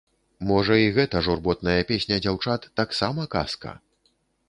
Можа, і гэта журботная песня дзяўчат таксама казка?